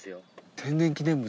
天然記念物。